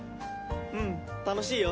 うん楽しいよ。